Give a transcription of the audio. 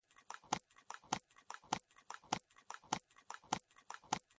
ژبې د افغانستان د ښاري پراختیا سبب کېږي.